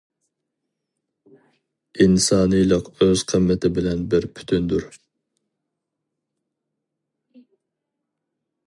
ئىنسانىيلىق ئۆز قىممىتى بىلەن بىر پۈتۈندۇر.